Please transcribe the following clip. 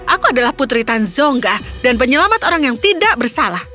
aku adalah putri tan zongga dan penyelamat orang yang tidak bersalah